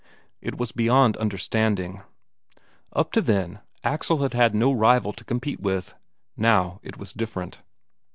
It was beyond understanding. Up to then, Axel had had no rival to compete with now, it was different.